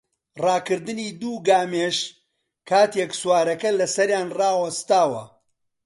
ڕاکردنی دوو گامێش کاتێک سوارەکە لەسەریان ڕاوەستاوە